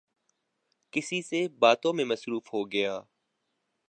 کسی سے باتوں میں مصروف ہوگیا